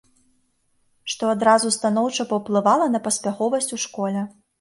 Што адразу станоўча паўплывала на паспяховасць у школе.